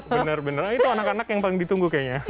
benar benar itu anak anak yang paling ditunggu kayaknya